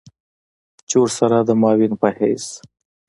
چې ورسره د معاون په حېث